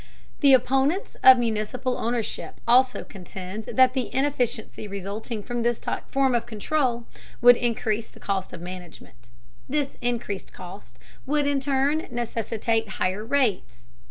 The opponents of municipal ownership also contend that the inefficiency resulting from this form of control would increase the cost of management. This increased cost would in turn necessitate higher rates.